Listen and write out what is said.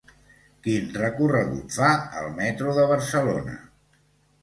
Quin recorregut fa el metro de Barcelona?